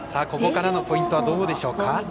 ここからのポイントはどうでしょうか。